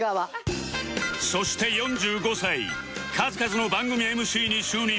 そして４５歳数々の番組 ＭＣ に就任